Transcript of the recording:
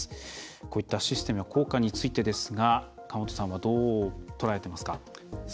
こういったシステムの効果についてですが河本さんは、どう捉えてますか？